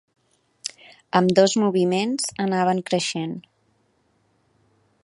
Ambdós Moviments anaven creixent.